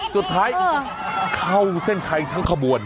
สุดท้ายเข้าเส้นชัยทั้งขบวน